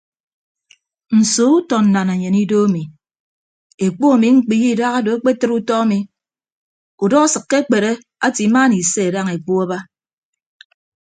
Nso utọ nnanenyen ido ami ekpu ami mkpiye idahado akpetịd utọ ami udọ asịkke akpere ate imaana ise daña ekpu aba.